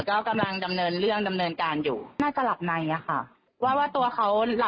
แจ้งการเสียหายกด้านทัพที่